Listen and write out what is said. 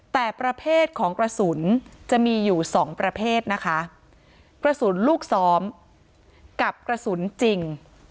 แต่ประเภทของกระสุนจะมีอยู่สองประเภทนะคะกระสุนลูกซ้อมกับกระสุนจริง